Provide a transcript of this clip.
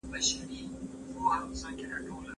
نوي روغتونونه د زړو روغتونونو څخه ښه دي.